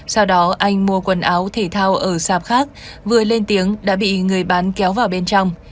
sau đó anh mua quần áo thể thao ở sạp khác vừa lên tiếng đã bị người bán kéo vào bên trong